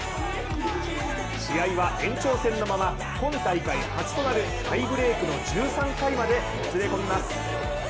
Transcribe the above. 試合は延長戦のまま今大会初となるタイブレークの１３回までもつれ込みます。